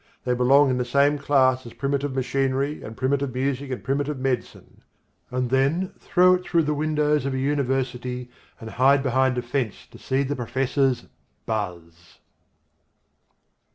They belong in the same class as primitive machinery and primitive music and primitive medicine," and then throw it through the windows of a University and hide behind a fence to see the professors buzz!!